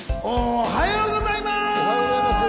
おはようございます。